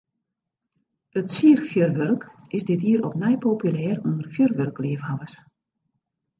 It sierfjurwurk is dit jier opnij populêr ûnder fjurwurkleafhawwers.